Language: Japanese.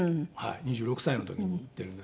２６歳の時に行ってるんですけど。